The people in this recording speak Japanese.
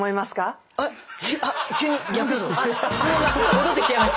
質問が戻ってきちゃいました。